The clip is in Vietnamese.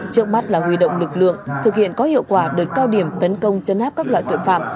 trước mắt là huy động lực lượng thực hiện có hiệu quả đợt cao điểm tấn công chấn áp các loại tội phạm